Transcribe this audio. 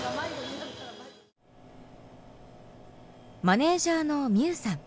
マネージャーのみゅうさん。